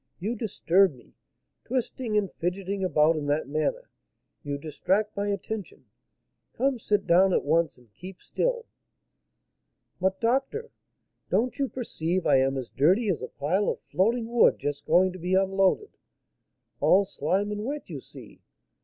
You disturb me, twisting and fidgeting about in that manner, you distract my attention. Come, sit down at once, and keep still." "But, doctor, don't you perceive I am as dirty as a pile of floating wood just going to be unloaded? all slime and wet, you see.